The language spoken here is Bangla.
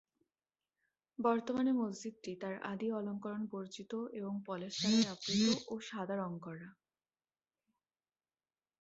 বর্তমানে মসজিদটি তার আদি অলংকরণ বর্জিত এবং পলেস্তরায় আবৃত ও সাদা রং করা।